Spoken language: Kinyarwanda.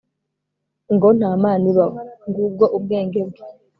ngo nta mana ibaho! ngubwo ubwenge bwe